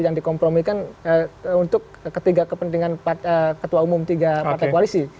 yang dikompromikan untuk ketiga kepentingan ketua umum tiga partai koalisi